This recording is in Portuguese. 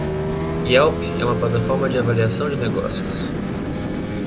Yelp é uma plataforma de avaliação de negócios.